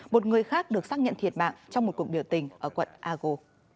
một người khác được xác nhận thiệt mạng trong một cuộc biểu tình ở quận ago